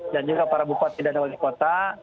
dan juga para bupati dan wajib kota